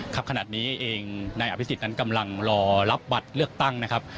ครับขนาดนี้เองนายอภิษฎนั้นกำลังรอรับบัตรเลือกตั้งนะครับ